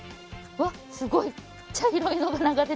わっすごい！